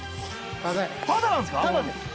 タダなんすか？